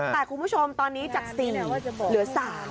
แต่คุณผู้ชมตอนนี้จาก๔เหลือ๓